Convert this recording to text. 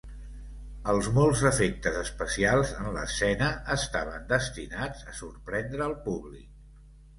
Els molts efectes especials en l'escena estaven destinats a sorprendre el públic.